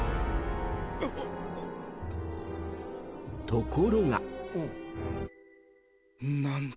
［ところが］